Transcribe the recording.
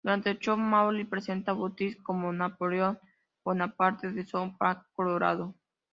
Durante el show, Maury presenta a Butters como "Napoleón Bonaparte de South Park, Colorado".